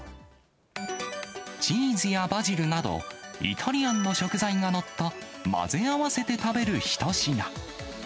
チーズやバジルなど、イタリアンの食材が載った混ぜ合わせて食べる一品。